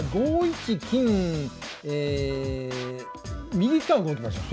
右側動きましょう。